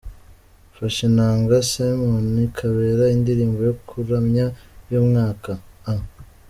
Mfashe inanga – Simon Kabera Indirimbo yo kuramya y’umwaka a.